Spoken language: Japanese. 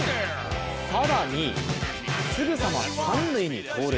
更に、すぐさま三塁に盗塁。